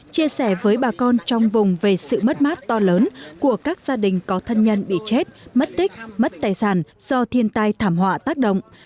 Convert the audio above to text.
chia sẻ với bà con trong vùng về sự mất mát to lớn của các gia đình có thân nhân bị chết mất tích mất tài sản do thiên tai thảm họa tác động